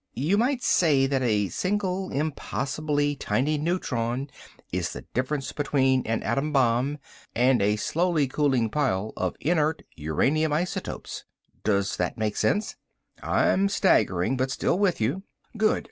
You might say that a single, impossibly tiny, neutron is the difference between an atom bomb and a slowly cooling pile of inert uranium isotopes. Does that make sense?" "I'm staggering, but still with you." "Good.